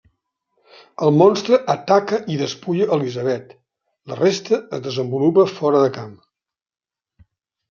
El monstre ataca i despulla Elizabeth, la resta es desenvolupa fora de camp.